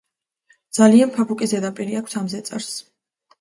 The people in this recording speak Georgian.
ძალიან ფაფუკი ზედაპირი აქვს ამ ზეწარს.